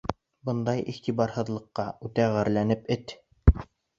Бындай иғтибарһыҙлыҡҡа үтә ғәрләнгән эт: